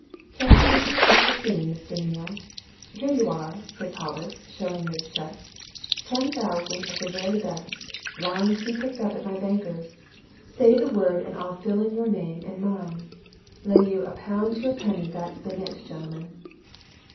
"Can't you reconstruct the scene, Mr. Neale? 'Here you are!' says Hollis, showing this cheque. 'Ten thousand of the very best, lying to be picked up at my bankers. Say the word, and I'll fill in your name and mine!' Lay you a pound to a penny that's been it, gentlemen!"